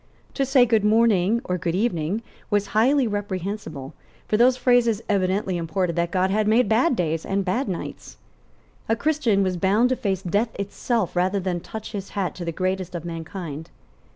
To say Good morning or Good evening was highly reprehensible, for those phrases evidently imported that God had made bad days and bad nights. A Christian was bound to face death itself rather than touch his hat to the greatest of mankind.